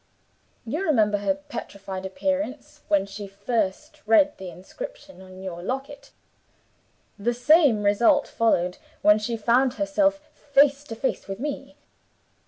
You remember her petrified appearance, when she first read the inscription on your locket? The same result followed when she found herself face to face with me.